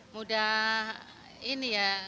mudah ini ya